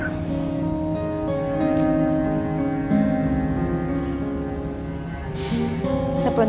bener bener ga abis pikir